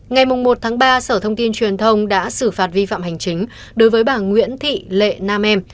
ngày một ba sở thông tin truyền thông đã xử phạt vi phạm hành chính đối với bà nguyễn thị lệ nam em